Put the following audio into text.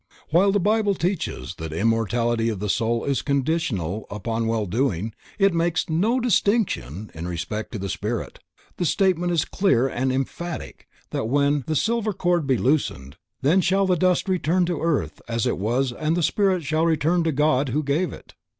While the Bible teaches that immortality of the soul is conditional upon well doing, it makes no distinction in respect of the spirit. The statement is clear and emphatic that when ... "The silver cord be loosed ... then shall the dust return to the earth as it was and the spirit shall return to God who gave it."